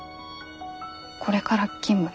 これから勤務で。